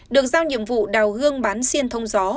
được giao nhiệm vụ đào hương bán xiên thông gió